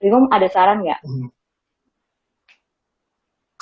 brigung ada saran nggak